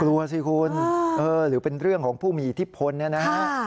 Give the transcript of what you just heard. กลัวสิคุณหรือเป็นเรื่องของผู้มีทิศพลน่ะนะ